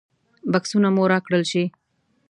بکسونه مو راکړل شي.